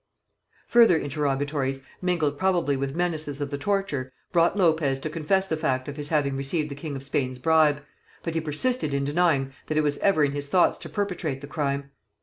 Further interrogatories, mingled probably with menaces of the torture, brought Lopez to confess the fact of his having received the king of Spain's bribe; but he persisted in denying that it was ever in his thoughts to perpetrate the crime.